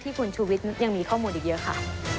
คุณชูวิทย์ยังมีข้อมูลอีกเยอะค่ะ